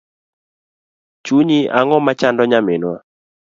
Chunyi ang’o machando nyaminwa?